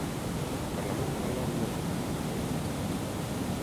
Parlamentul a luat notă de rezervele noastre.